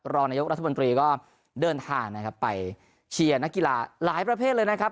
รองนายกรัฐมนตรีก็เดินทางนะครับไปเชียร์นักกีฬาหลายประเภทเลยนะครับ